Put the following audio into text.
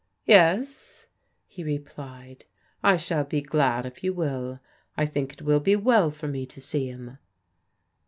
"Yes," he re plied. " I shall be glad if you wilL I think h will be well for me to see him."